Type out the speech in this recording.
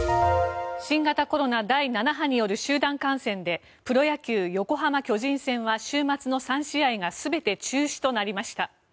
新型コロナ第７波による集団感染でプロ野球、横浜・巨人戦は週末の３試合が全て中止となりました。